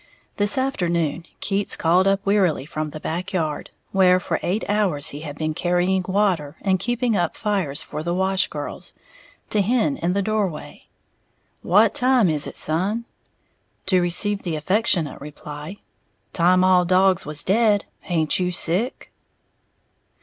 This afternoon Keats called up wearily from the back yard, where for eight hours he had been carrying water and keeping up fires for the wash girls, to Hen in the doorway, "What time is it, son?" to receive the affectionate reply, "Time all dogs was dead, haint you sick?"